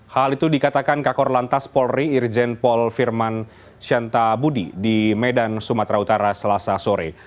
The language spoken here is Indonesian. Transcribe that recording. hal itu dikatakan kakor lantas polri irjen paul firman shantabudi di medan sumatera utara selasa sore